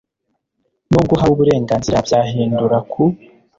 n ubw uhawe uburenganzira byahindura ku